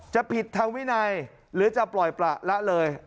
จะผิดทางวินัยหรือจะปล่อยประละเลย